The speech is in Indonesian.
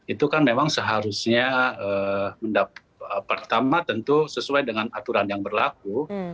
itu kan memang seharusnya pertama tentu sesuai dengan aturan yang berlaku